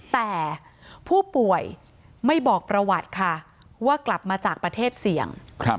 แต่ผู้ป่วยไม่บอกประวัติค่ะว่ากลับมาจากประเทศเสี่ยง